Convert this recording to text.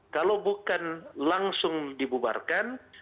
kalau bukan langsung dibubarkan